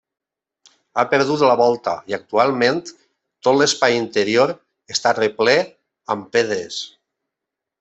Ha perdut la volta i, actualment, tot l'espai interior està replè amb pedres.